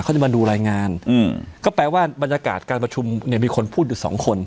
เขาจะมาดูรายงานอืมก็แปลว่าบรรยากาศการประชุมเนี่ยมีคนพูดอยู่สองคน